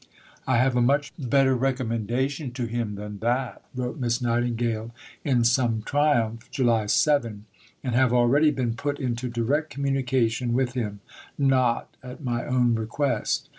"I have a much better recommendation to him than that," wrote Miss Nightingale in some triumph (July 7), "and have already been put into 'direct communication' with him, not at my own request."